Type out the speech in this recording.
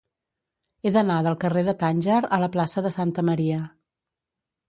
He d'anar del carrer de Tànger a la plaça de Santa Maria.